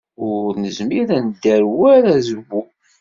Ur nezmir ad nedder war azwu.